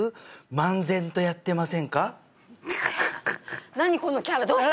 漫然とやってませんか？